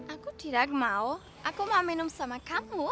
aku tidak mau aku mau minum sama kamu